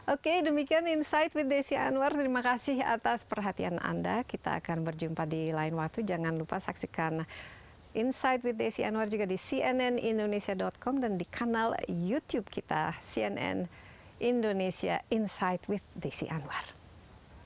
oke demikian insight with desi anwar terima kasih atas perhatian anda kita akan berjumpa di lain waktu jangan lupa saksikan insight with desi anwar juga di cnnindonesia com dan di kanal youtube kita cnn indonesia insight with desi anwar